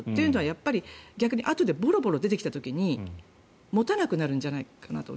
やっぱり逆にあとでボロボロ出てきた時に持たなくなるんじゃないかと。